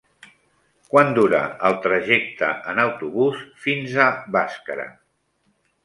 Quant dura el trajecte en autobús fins a Bàscara?